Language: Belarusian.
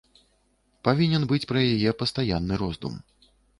Павінен быць пра яе пастаянны роздум.